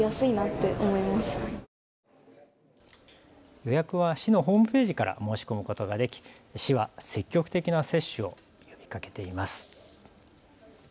予約は市のホームページから申し込むことができ市は積極的な接種を呼びかけています。